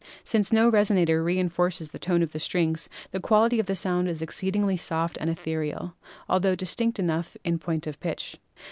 Since no resonator reinforces the tone of the strings, the quality of the sound is exceedingly soft and ethereal, altho distinct enough in point of pitch.